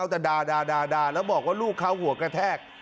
แต่ด่าแล้วบอกว่าลูกเขาหัวกระแทก